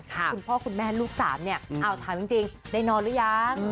คุณพ่อคุณแม่ลูกสามเนี่ยเอาถามจริงได้นอนหรือยัง